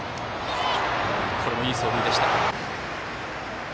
これもいい走塁でした。